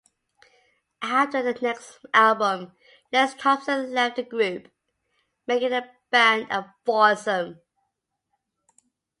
After the next album Les Thompson left the group, making the band a foursome.